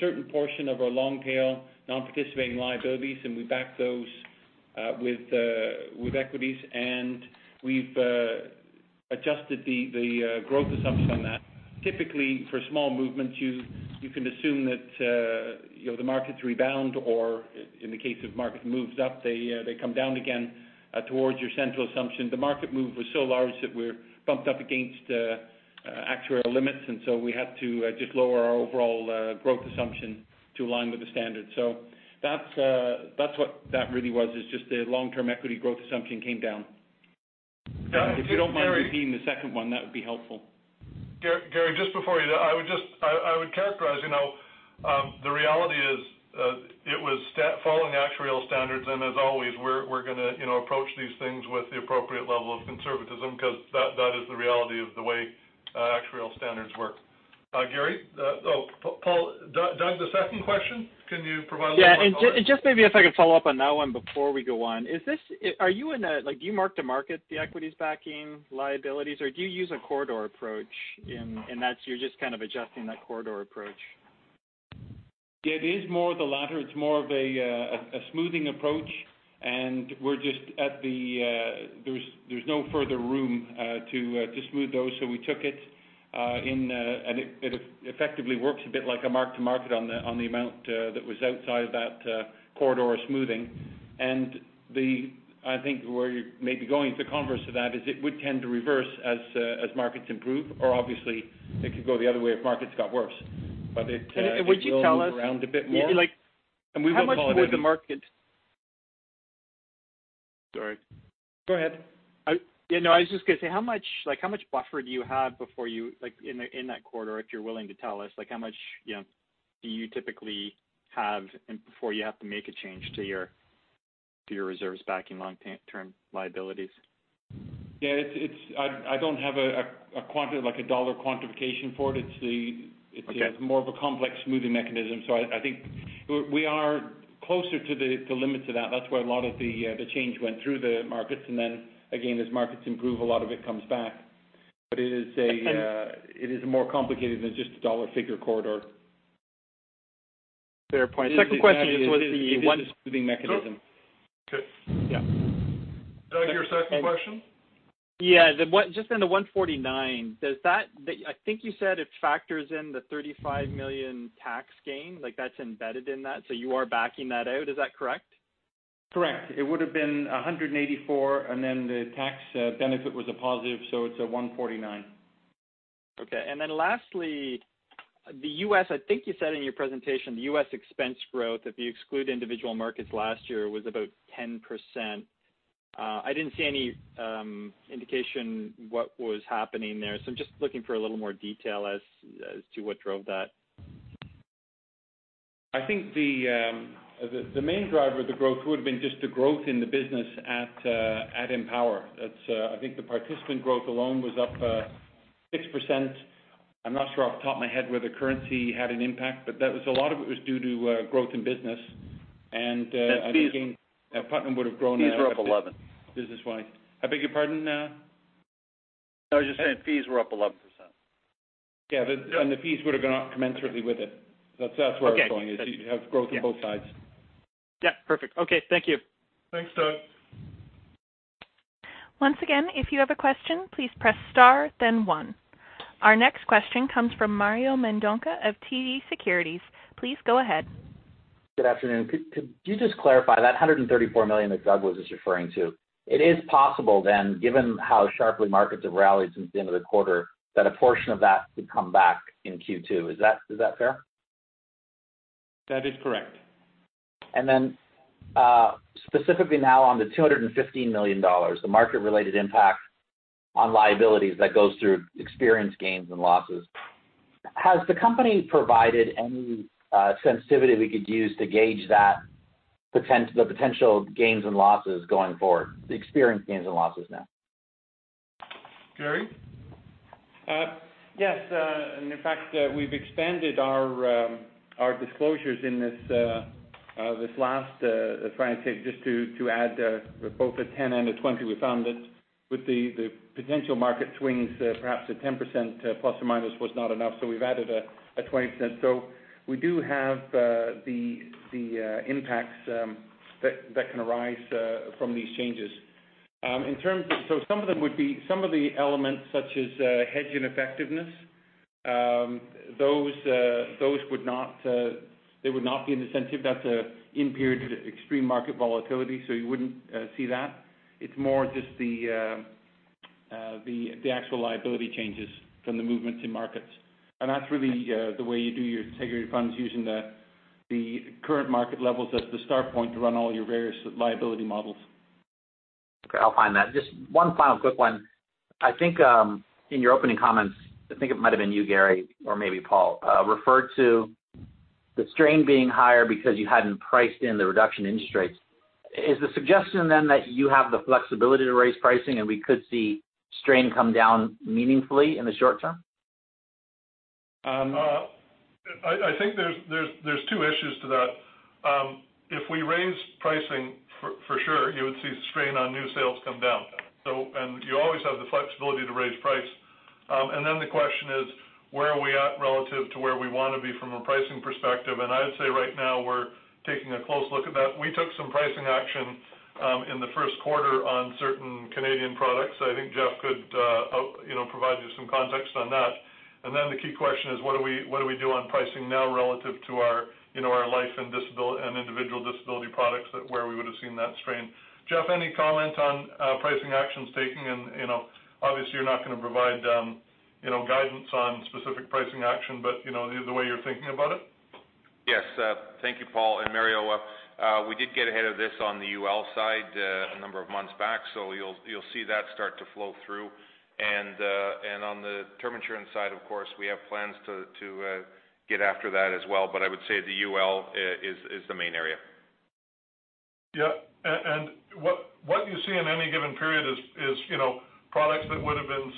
certain portion of our long-tail non-participating liabilities, and we back those with equities. We've adjusted the growth assumption on that. Typically, for small movements, you can assume that the markets rebound, or in the case of market moves up, they come down again towards your central assumption. The market move was so large that we're bumped up against actuarial limits, and so we had to just lower our overall growth assumption to align with the standard. That's what that really was, is just the long-term equity growth assumption came down. Doug, Garry- If you don't mind repeating the second one, that would be helpful. Garry, just before you do that, I would characterize, the reality is it was following actuarial standards and as always, we're going to approach these things with the appropriate level of conservatism because that is the reality of the way actuarial standards work. Garry? Oh, Paul. Doug, the second question, can you provide a little more color? Yeah. Just maybe if I could follow up on that one before we go on. Do you mark-to-market the equities backing liabilities, or do you use a corridor approach, in that you're just kind of adjusting that corridor approach? It is more of the latter. It's more of a smoothing approach, and there's no further room to smooth those. We took it, and it effectively works a bit like a mark to market on the amount that was outside of that corridor smoothing. I think where you're maybe going is the converse of that, is it would tend to reverse as markets improve, or obviously it could go the other way if markets got worse. It will move- Would you tell us? around a bit more. Yeah. we would call it. How much would the market. Sorry. Go ahead. Yeah, no, I was just going to say, how much buffer do you have in that corridor, if you're willing to tell us. How much do you typically have before you have to make a change to your reserves backing long-term liabilities? Yeah, I don't have a dollar quantification for it. Okay. It's more of a complex smoothing mechanism. I think we are closer to the limits of that. That's why a lot of the change went through the markets. Again, as markets improve, a lot of it comes back. It is more complicated than just a dollar figure corridor. Fair point. Second question is what the one-. It is a smoothing mechanism. Okay. Yeah. Doug, your second question? Just on the 149, I think you said it factors in the 35 million tax gain, like that's embedded in that. You are backing that out. Is that correct? Correct. It would've been 184 and then the tax benefit was a positive, so it's a 149. Okay. Lastly, I think you said in your presentation, the U.S. expense growth, if you exclude US Individual Markets last year, was about 10%. I didn't see any indication what was happening there. I'm just looking for a little more detail as to what drove that. I think the main driver of the growth would've been just the growth in the business at Empower. I think the participant growth alone was up 6%. I'm not sure off the top of my head whether currency had an impact, but a lot of it was due to growth in business. Fees. Putnam would've grown- Fees were up 11%. business-wise. I beg your pardon? I was just saying fees were up 11%. Yeah. The fees would've gone up commensurately with it. That's where I was going. Okay is you have growth on both sides. Yeah. Perfect. Okay. Thank you. Thanks, Doug. Once again, if you have a question, please press star then one. Our next question comes from Mario Mendonca of TD Securities. Please go ahead. Good afternoon. Could you just clarify that 134 million that Doug was just referring to, it is possible then, given how sharply markets have rallied since the end of the quarter, that a portion of that could come back in Q2. Is that fair? That is correct. Specifically now on the 215 million dollars, the market-related impact on liabilities that goes through experience gains and losses. Has the company provided any sensitivity we could use to gauge the potential gains and losses going forward? The experience gains and losses now. Garry? Yes. In fact, we've expanded our disclosures in this last financial tape just to add both a 10 and a 20. We found that with the potential market swings, perhaps a 10% plus or minus was not enough, so we've added a 20%. We do have the impacts that can arise from these changes. Some of the elements such as hedge ineffectiveness, they would not be in the sensitive. That's an in period of extreme market volatility, so you wouldn't see that. It's more just the actual liability changes from the movements in markets. That's really the way you do your integrity funds using the current market levels as the start point to run all your various liability models. Okay, I'll find that. Just one final quick one. I think in your opening comments, I think it might have been you, Garry or maybe Paul referred to the strain being higher because you hadn't priced in the reduction in interest rates. Is the suggestion that you have the flexibility to raise pricing and we could see strain come down meaningfully in the short term? I think there's two issues to that. If we raise pricing for sure you would see the strain on new sales come down. You always have the flexibility to raise price. The question is, where are we at relative to where we want to be from a pricing perspective? I'd say right now we're taking a close look at that. We took some pricing action in the first quarter on certain Canadian products. I think Jeff could provide you some context on that. The key question is what do we do on pricing now relative to our life and individual disability products, where we would've seen that strain. Jeff, any comment on pricing actions taken and, obviously you're not going to provide guidance on specific pricing action, but the way you're thinking about it? Yes. Thank you, Paul and Mario. We did get ahead of this on the UL side a number of months back. You'll see that start to flow through. On the term insurance side, of course, we have plans to get after that as well. I would say the UL is the main area. Yeah. What you see in any given period is products that would've been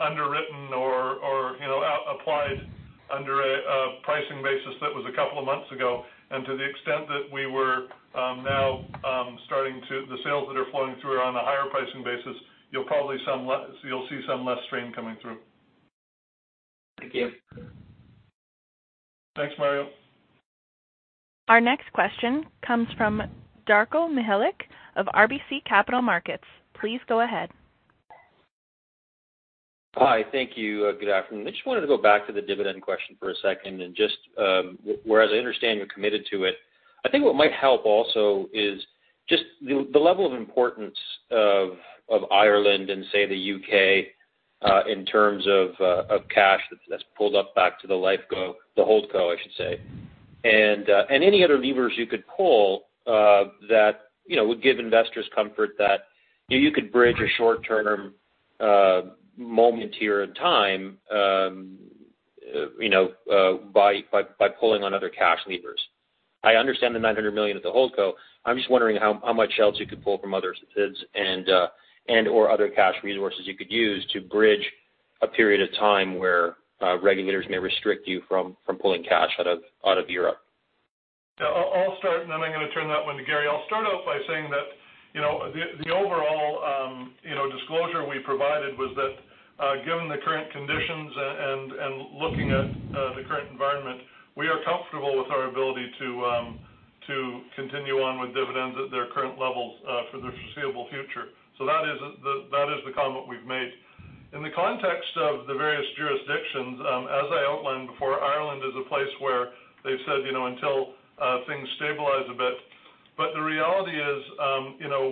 underwritten or applied under a pricing basis that was a couple of months ago. To the extent that the sales that are flowing through are on a higher pricing basis, you'll see some less strain coming through. Thank you. Thanks, Mario. Our next question comes from Darko Mihelic of RBC Capital Markets. Please go ahead. Hi. Thank you. Good afternoon. I just wanted to go back to the dividend question for a second just whereas I understand you're committed to it, I think what might help also is just the level of importance of Ireland and say, the U.K. in terms of cash that's pulled up back to the holdco, I should say. Any other levers you could pull that would give investors comfort that you could bridge a short-term moment here in time by pulling on other cash levers. I understand the 900 million at the holdco. I'm just wondering how much else you could pull from other subs and/or other cash resources you could use to bridge a period of time where regulators may restrict you from pulling cash out of Europe. I'll start, and then I'm going to turn that one to Garry. I'll start out by saying that the overall disclosure we provided was that given the current conditions and looking at the current environment, we are comfortable with our ability to continue on with dividends at their current levels for the foreseeable future. That is the comment we've made. In the context of the various jurisdictions, as I outlined before, Ireland is a place where they've said until things stabilize a bit. The reality is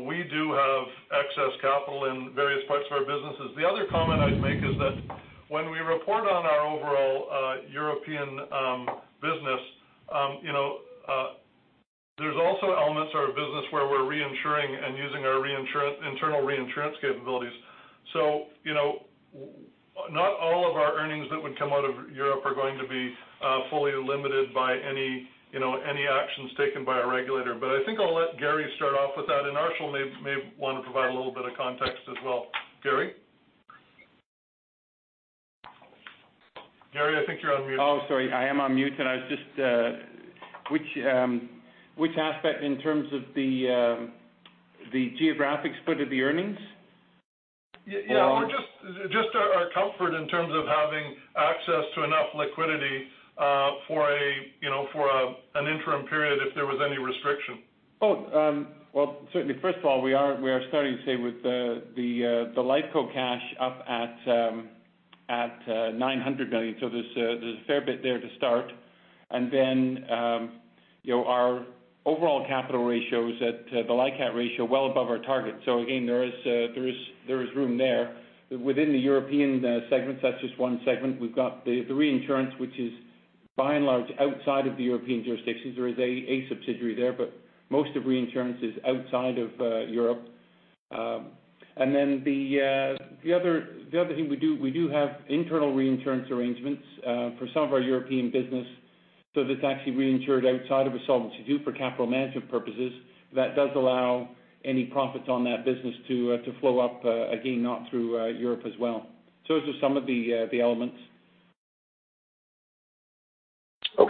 we do have excess capital in various parts of our businesses. The other comment I'd make is that when we report on our overall European business there's also elements of our business where we're reinsuring and using our internal reinsurance capabilities. Not all of our earnings that would come out of Europe are going to be fully limited by any actions taken by a regulator. I think I'll let Garry start off with that, and Arshil may want to provide a little bit of context as well. Garry? Garry, I think you're on mute. Oh, sorry. I am on mute. Which aspect in terms of the geographic split of the earnings? Yeah. Just our comfort in terms of having access to enough liquidity for an interim period if there was any restriction. Well certainly, first of all, we are starting today with the Lifeco cash up at 900 million. There's a fair bit there to start. Our overall capital ratio is at the LICAT ratio well above our target. Again, there is room there within the European segments. That's just one segment. We've got the reinsurance, which is by and large outside of the European jurisdictions. There is a subsidiary there, but most of reinsurance is outside of Europe. The other thing we do have internal reinsurance arrangements for some of our European business. That's actually reinsured outside of a Solvency II for capital management purposes. That does allow any profits on that business to flow up again, not through Europe as well. Those are some of the elements.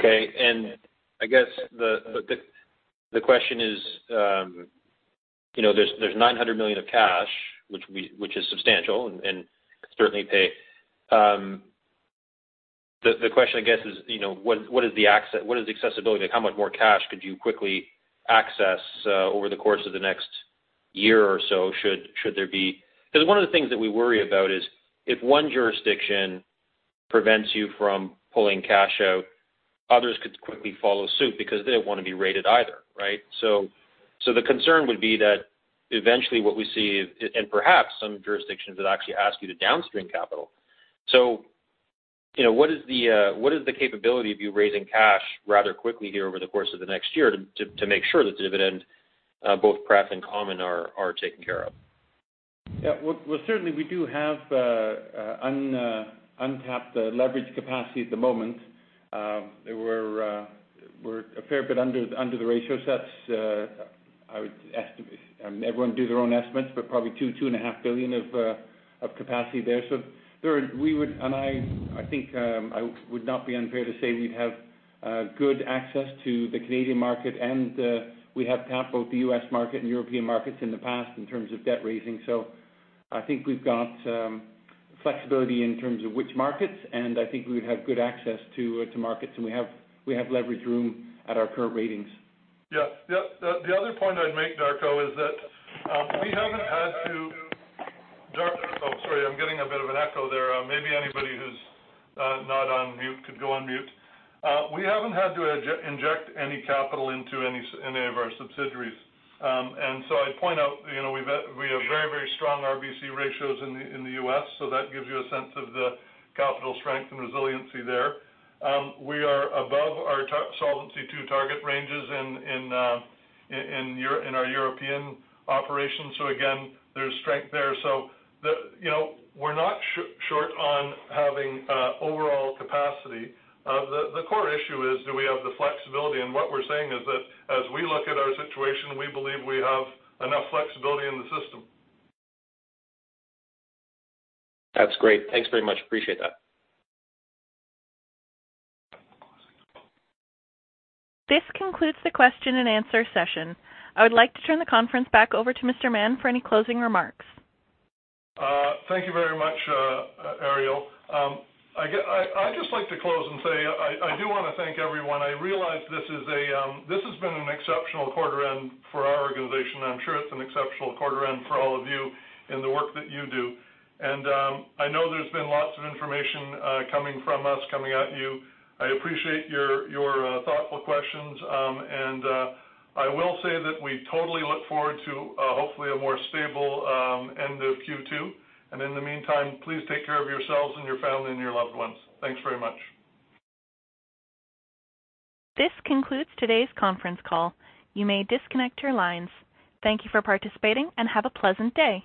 Okay. I guess the question is there's 900 million of cash, which is substantial and could certainly pay. The question, I guess is what is accessibility? Like how much more cash could you quickly access over the course of the next year or so? Because one of the things that we worry about is if one jurisdiction prevents you from pulling cash out. Others could quickly follow suit because they don't want to be rated either, right? The concern would be that eventually what we see, and perhaps some jurisdictions that actually ask you to downstream capital. What is the capability of you raising cash rather quickly here over the course of the next year to make sure that the dividend, both pref and common, are taken care of? Yeah. Well, certainly we do have untapped leverage capacity at the moment. We're a fair bit under the ratio sets. Everyone do their own estimates, but probably 2 billion-2.5 billion of capacity there. I think I would not be unfair to say we'd have good access to the Canadian market, and we have tapped both the U.S. market and European markets in the past in terms of debt raising. I think we've got flexibility in terms of which markets, and I think we would have good access to markets, and we have leverage room at our current ratings. Yeah. The other point I'd make, Darko, is that we haven't had to Oh, sorry, I'm getting a bit of an echo there. Maybe anybody who's not on mute could go on mute. We haven't had to inject any capital into any of our subsidiaries. I'd point out we have very strong RBC ratios in the U.S., so that gives you a sense of the capital strength and resiliency there. We are above our Solvency II target ranges in our European operations. Again, there's strength there. We're not short on having overall capacity. The core issue is do we have the flexibility? What we're saying is that as we look at our situation, we believe we have enough flexibility in the system. That's great. Thanks very much. Appreciate that. This concludes the question and answer session. I would like to turn the conference back over to Mr. Mahon for any closing remarks. Thank you very much, Ariel. I just like to close and say I do want to thank everyone. I realize this has been an exceptional quarter end for our organization. I'm sure it's an exceptional quarter end for all of you in the work that you do. I know there's been lots of information coming from us, coming at you. I appreciate your thoughtful questions. I will say that we totally look forward to hopefully a more stable end of Q2. In the meantime, please take care of yourselves and your family and your loved ones. Thanks very much. This concludes today's conference call. You may disconnect your lines. Thank you for participating and have a pleasant day.